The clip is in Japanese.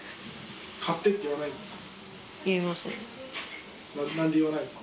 買ってって言わないんですか？